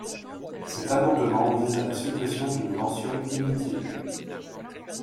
Cet amendement vise à la suppression d’une mention inutile.